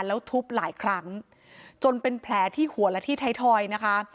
แล้วทุบหลายครั้งจนเป็นแผลที่หัวและที่ไทยทอยนะคะ